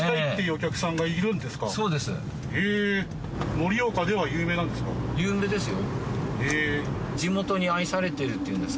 盛岡では有名なんですか？